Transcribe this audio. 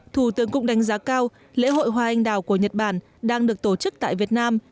thủ tướng cũng đánh giá cao lễ hội hoa anh đào của nhật bản đang được tổ chức tại việt nam